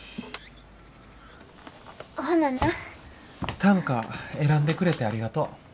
短歌選んでくれてありがとう。